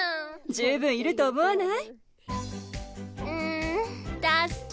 十分いると思わない？